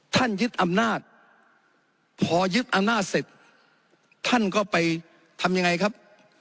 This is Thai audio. ยึดอำนาจพอยึดอำนาจเสร็จท่านก็ไปทำยังไงครับ